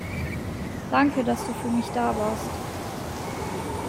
Danke, dass du für mich da warst.